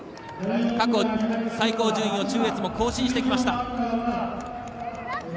過去最高順位を中越も更新してきました。